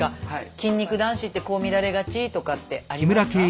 筋肉男子ってこう見られがちとかってありますか？